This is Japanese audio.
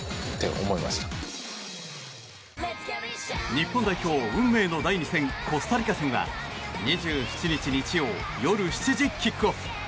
日本代表、運命の第２戦コスタリカ戦は２７日日曜、夜７時キックオフ！